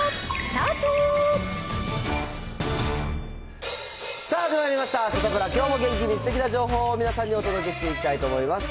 サタプラ、きょうも元気にすてきな情報を皆さんにお届けしていきたいと思います。